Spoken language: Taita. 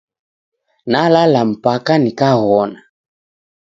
Nalala mpaka nikaghona.